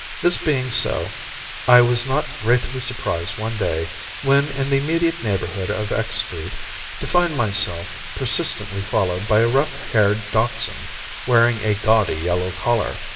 This being so, I was not greatly surprised one day, when in the immediate neighbourhood of X Street, to find myself persistently followed by a rough haired dachshund wearing a gaudy yellow collar.